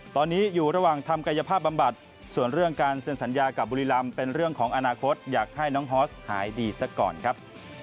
ตอนนี้อยู่ระหว่างทำกายภาพบำบัดส่วนเรื่องการเซ็นสัญญากับบุรีรำเป็นเรื่องของอนาคตอยากให้น้องฮอสหายดีซะก่อนครับ